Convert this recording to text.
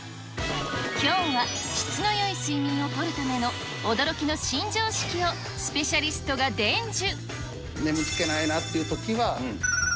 きょうは、質のよい睡眠をとるための驚きの新常識を、スペシャリストが伝授。